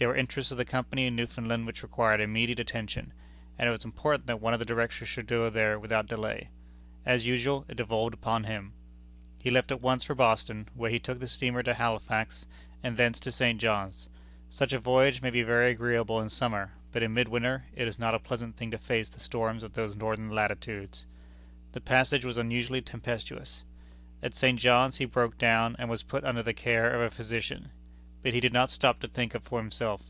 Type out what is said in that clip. There were interests of the Company in Newfoundland which required immediate attention, and it was important that one of the Directors should go there without delay. As usual, it devolved upon him. He left at once for Boston, where he took the steamer to Halifax, and thence to St. John's. Such a voyage may be very agreeable in summer, but in mid winter it is not a pleasant thing to face the storms of those northern latitudes. The passage was unusually tempestuous. At St. John's he broke down, and was put under the care of a physician. But he did not stop to think of himself.